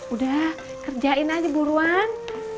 udah kerjain aja buruan